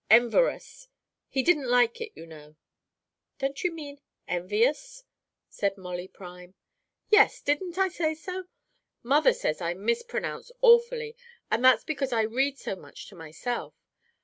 "Enverous. He didn't like it, you know." "Don't you mean envious?" said Molly Prime. "Yes, didn't I say so? Mother says I mispronounce awfully, and it's because I read so much to myself.